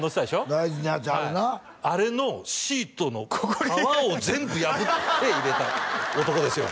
あれなあれのシートの革を全部破って手入れた男ですよ